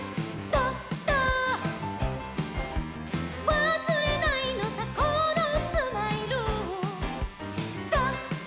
「わすれないのさこのスマイル」「ドド」